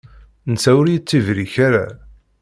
Netta ur yettibrik ara.